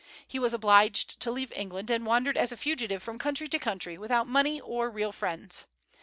He was obliged to leave England, and wandered as a fugitive from country to country, without money or real friends.